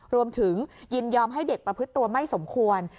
ยินยอมให้เด็กประพฤติตัวไม่สมควร